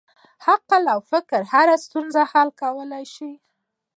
عقل او فکر هره ستونزه حل کولی شي.